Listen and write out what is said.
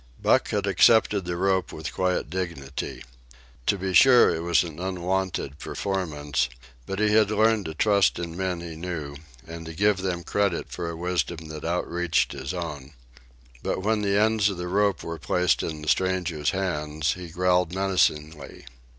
Buck had accepted the rope with quiet dignity. To be sure, it was an unwonted performance: but he had learned to trust in men he knew, and to give them credit for a wisdom that outreached his own. But when the ends of the rope were placed in the stranger's hands, he growled menacingly.